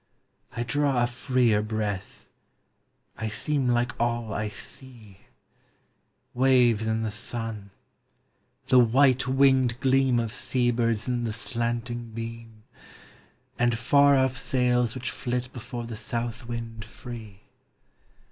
THE SEA. li M .» I draw a freer breath — I seem Like all I see — Waves in the sun — the while winded gleam Of sea birds in the slanting beam — And far off sails which Hit before the south wind free.